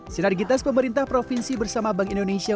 sinergitas pemerintah provinsi bersama bank indonesia